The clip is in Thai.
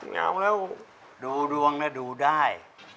งั้นเอาแล้วดูดวงน่ะดูได้